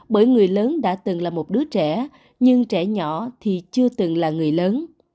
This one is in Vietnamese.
bởi người lớn đã từng là một đứa trẻ nhưng trẻ nhỏ thì chưa từng là người lớn